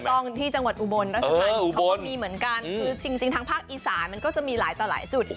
ต้องที่จังหวัดอุบลรัชธานีเขาก็มีเหมือนกันคือจริงทางภาคอีสานมันก็จะมีหลายต่อหลายจุด